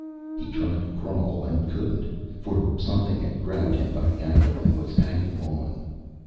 He tried to crawl and couldn't, for something had grabbed him by the ankle and was hanging on.